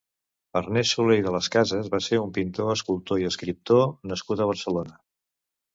Ernest Soler i de les Cases va ser un pintor, escultor i escriptor nascut a Barcelona.